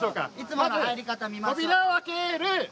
まず、扉を開ける。